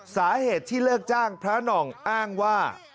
สาเหตุที่เลิกจ้างพระหน่องอ้างว่า